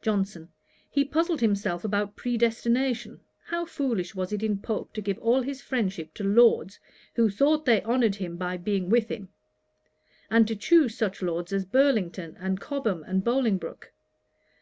JOHNSON. 'He puzzled himself about predestination. How foolish was it in Pope to give all his friendship to Lords, who thought they honoured him by being with him; and to choose such Lords as Burlington, and Cobham, and Bolingbroke!